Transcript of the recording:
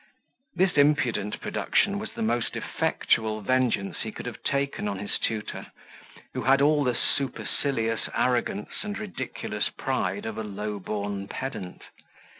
This impudent production was the most effectual vengeance he could have taken on his tutor, who had all the supercilious arrogance and ridiculous pride of a low born pedant.